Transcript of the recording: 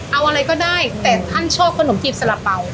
เอาอะไรก็ได้แต่ท่านชอบขนมจีบสาระเป๋า